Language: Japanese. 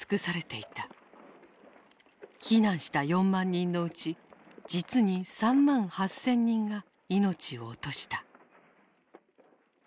避難した４万人のうち実に３万８，０００人が命を落とした。